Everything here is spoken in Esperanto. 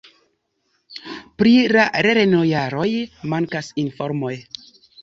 Pri la lernojaroj mankas informoj.